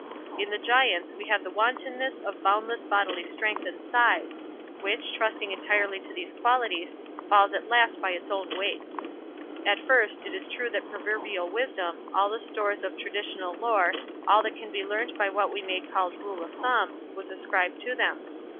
In the Giants we have the wantonness of boundless bodily strength and size, which, trusting entirely to these qualities, falls at last by its own weight. At first, it is true that proverbial wisdom, all the stores of traditional lore, all that could be learnt by what may be called rule of thumb, was ascribed to them.